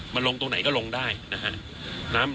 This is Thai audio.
มันลงตรงไหนก็ลงได้นะฮะ